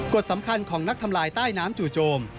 กฎสำคัญของนักทำลายใต้น้ำจู่โจม